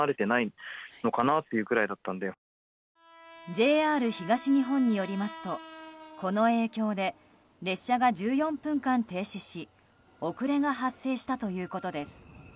ＪＲ東日本によりますとこの影響で列車が１４分間停止し遅れが発生したということです。